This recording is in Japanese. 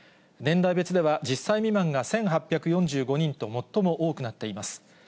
年代別では、１０歳未満が１８４５人と最も多くなっています。